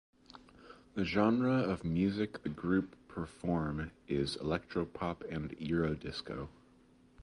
The genre of music the group perform is electropop and eurodisco.